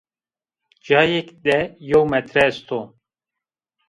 Cayêk de yew metre est o